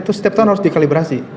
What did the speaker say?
itu setiap tahun harus dikalibrasi